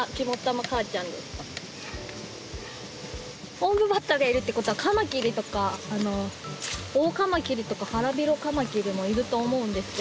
オンブバッタがいるっていうことはカマキリとかオオカマキリとかハラビロカマキリもいると思うんですけど。